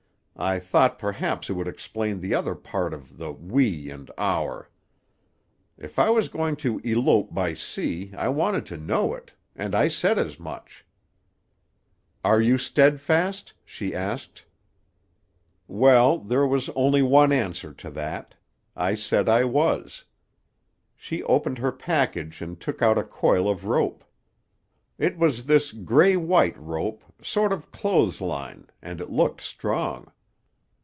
I thought perhaps it would explain the other part of the 'we' and 'our'.) If I was going to elope by sea I wanted to know it, and I said as much. "'Are you steadfast?' she asked. "Well, there was only one answer to that. I said I was. She opened her package and took out a coil of rope. It was this gray white rope, sort of clothes line, and it looked strong.